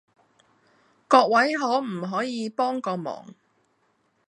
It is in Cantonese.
各位可唔可以幫個忙